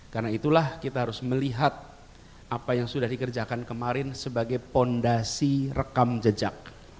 karena itulah kita harus melihat apa yang sudah dikerjakan kemarin sebagai fondasi rekam jejak